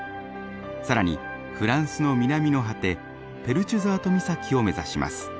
更にフランスの南の果てペルチュザート岬を目指します。